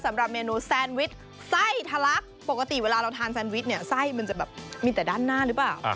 สำหรับเมนูแซนวิชไส้ทะลักปกติเวลาเรามีแบบมีแต่ด้านหน้าหรือเปล่า